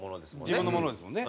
自分のものですもんね。